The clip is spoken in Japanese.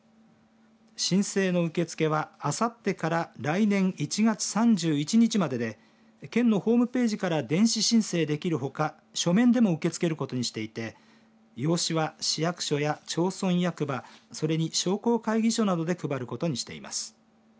申請の受け付けは、あさってから来年１月３１日までで県のホームページから電子申請できるほか書面でも受け付けることにしていて用紙は、市役所や町村役場それに商工会議所などで配ることにしています。